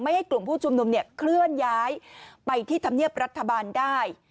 ให้กลุ่มผู้ชุมนุมเนี่ยเคลื่อนย้ายไปที่ธรรมเนียบรัฐบาลได้